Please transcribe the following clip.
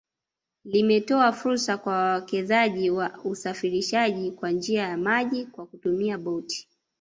Limetoa fursa kwa wawekezaji wa usafirishaji kwa njia ya maji kwa kutumia boti